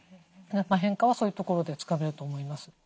変化はそういうところでつかめると思います。